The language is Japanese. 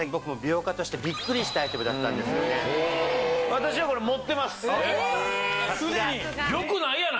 私はこれ持ってます！